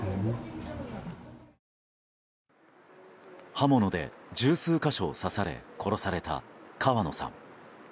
刃物で十数か所を刺され殺された川野さん。